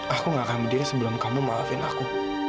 aku gak akan berdiri sebelum kamu maafin aku